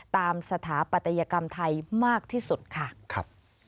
ตามสถาปัตยกรรมไทยมากที่สุดค่ะ